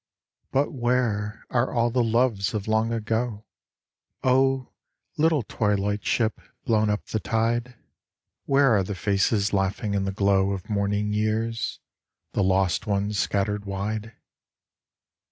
But where are all the loves of long ago ? Oh, little twilight ship blown up the tide, 88 THE LOST ONES 89 Where are the faces laughing in the glow Of morning years, the lost ones scattered wide?